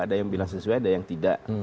ada yang bilang sesuai ada yang tidak